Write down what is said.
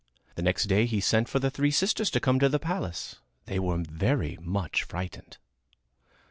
The next day he sent for the three sisters to come to the palace. They were very much frightened.